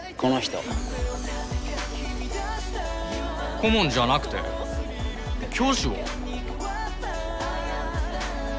顧問じゃなくて教師を？